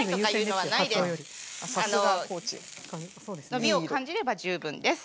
伸びを感じれば十分です。